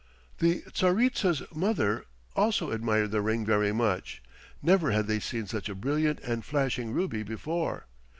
The Tsaritsa's mother also admired the ring very much. Never had they seen such a brilliant and flashing ruby before.